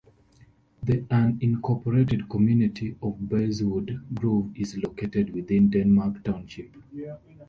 The unincorporated community of Basswood Grove is located within Denmark Township.